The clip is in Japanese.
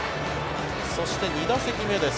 そして、２打席目です。